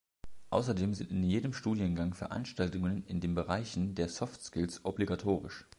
Außerdem sind in jedem Studiengang Veranstaltungen in den Bereichen der Soft Skills obligatorisch.